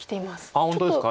あっそうですか。